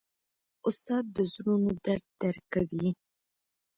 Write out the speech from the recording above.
استاد د زړونو درد درک کوي.